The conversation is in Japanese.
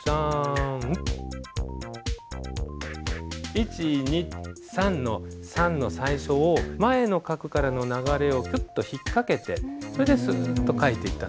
１２３の３の最初を前の画からの流れをヒュッと引っ掛けてそれでスッと書いていったんです。